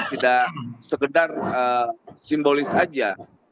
tidak sekedar simbolis saja